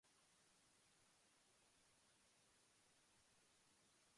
Next, address the specific concerns and issues raised in the complaint.